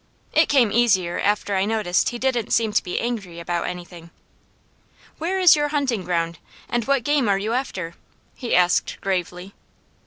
It came easier after I noticed he didn't seem to be angry about anything. "Where is your hunting ground, and what game are you after?" he asked gravely.